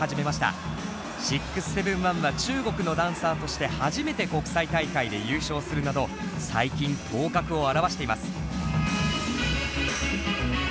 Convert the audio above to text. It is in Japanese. ６７１は中国のダンサーとして初めて国際大会で優勝するなど最近頭角を現しています。